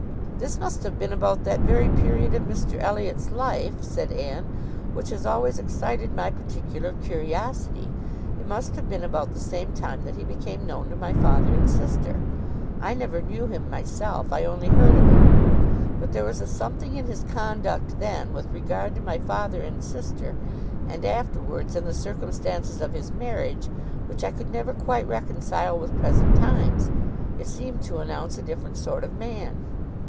"This must have been about that very period of Mr Elliot's life," said Anne, "which has always excited my particular curiosity. It must have been about the same time that he became known to my father and sister. I never knew him myself; I only heard of him; but there was a something in his conduct then, with regard to my father and sister, and afterwards in the circumstances of his marriage, which I never could quite reconcile with present times. It seemed to announce a different sort of man."